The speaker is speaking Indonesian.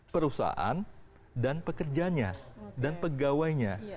perusahaan dan pekerjanya dan pegawainya